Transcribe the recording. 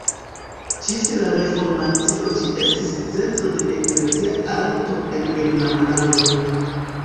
Ĝis la Reformacio ĝi estis centro de eklezia arto en Germanlando.